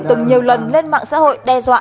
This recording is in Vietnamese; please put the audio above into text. từng nhiều lần lên mạng xã hội đe dọa